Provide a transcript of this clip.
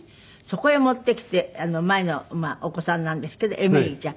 そこへ持ってきて前のお子さんなんですけどえみりちゃん。